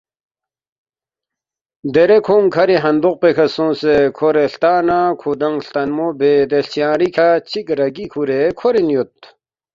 دیرے کھونگ کَھری ہندوق پیکھہ سونگسے کھورے ہلتا نہ کُھودانگ ہلتنمو بے دے ہلچنگری کھہ چِک رَگی کُھورے کھورین یود